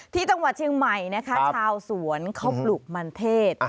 ที่จังหวัดเชียงใหม่นะคะชาวสวนเขาปลูกมันเทศ